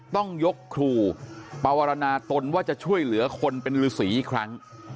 ต้องยกครูปนาตนว่าจะช่วยเหลือคนเป็นฤษีอีกครั้ง